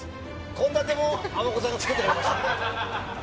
献立も、あまこさんが作ってくださいました。